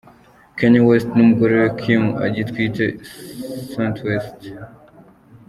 Kanye West n'umugore we Kim agitwite Saint West.